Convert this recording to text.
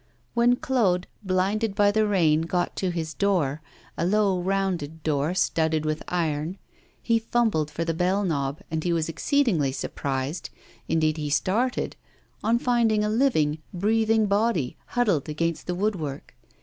When Claude, blinded by the rain, got to his door a low, rounded door, studded with iron he fumbled for the bell knob, and he was exceedingly surprised indeed, he started on finding a living, breathing body huddled against the woodwork.